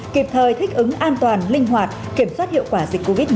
kịp thời thích ứng an toàn linh hoạt kiểm soát hiệu quả dịch covid một mươi chín